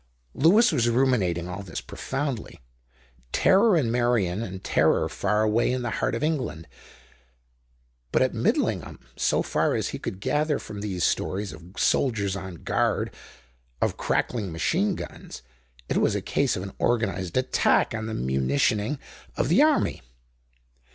Lewis was ruminating all this profoundly. Terror in Meirion and terror far away in the heart of England; but at Midlingham, so far as he could gather from these stories of soldiers on guard, of crackling machine guns, it was a case of an organized attack on the munitioning of the army.